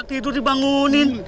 enak tidur dibangunin